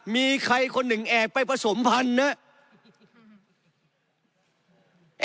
มีใครคนหนึ่งแอบไปผสมพันธุ์นะครับ